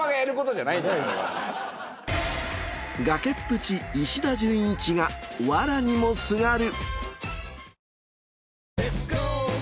崖っぷち石田純一が笑にもすがる。